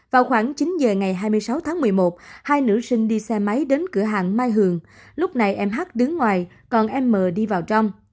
vào khoảng chín giờ ngày hai mươi sáu tháng một mươi một hai nữ sinh đi xe máy đến cửa hàng mai hường lúc này em hát đứng ngoài còn em m đi vào trong